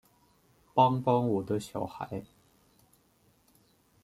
帮帮我的小孩